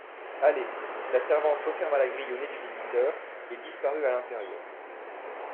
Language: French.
Allez ! La servante referma la grille au nez du visiteur et disparut à l'intérieur.